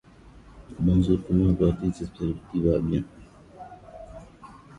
The rim of Leonov is worn, and several tiny craterlets lie along the edge.